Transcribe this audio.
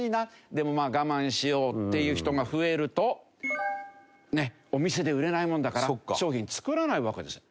でもまあ我慢しようっていう人が増えるとお店で売れないもんだから商品作らないわけですよ。